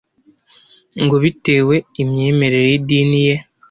ngo bitewe imyemerere y’idini ye